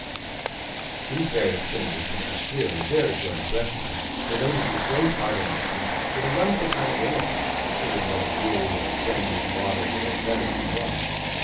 These various changes, Mr. Sleary, very short of breath now, related with great heartiness, and with a wonderful kind of innocence, considering what a bleary and brandy and watery old veteran he was.